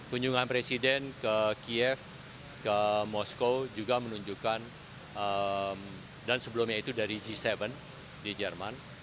kunjungan presiden ke kiev ke moskow juga menunjukkan dan sebelumnya itu dari g tujuh di jerman